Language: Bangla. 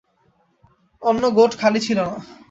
অন্য গোট খালি ছিল না।